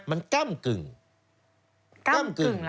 มันก็กั้มกึ่ง